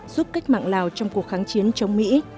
giúp cách mạng lào trong cuộc kháng chiến chống mỹ